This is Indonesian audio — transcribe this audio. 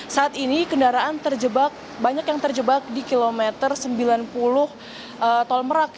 saat ini kendaraan terjebak banyak yang terjebak di kilometer sembilan puluh tol merak